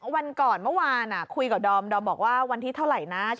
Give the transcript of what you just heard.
วันก่อนเมื่อวานคุยกับดอมดอมบอกว่าวันที่เท่าไหร่นะ